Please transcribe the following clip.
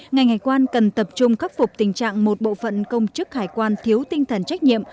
ngành hải quan cần tập trung khắc phục tình trạng một bộ phận công chức hải quan thiếu tinh thần trách nhiệm